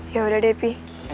yaudah deh pi